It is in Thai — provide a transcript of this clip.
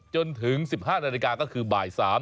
จนถึง๑๕นาฬิกาก็คือบ่าย๓